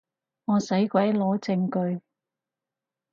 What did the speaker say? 我使鬼攞證據